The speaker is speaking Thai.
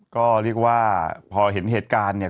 ก็เรียกว่าพอเห็นเหตุการณ์เนี่ย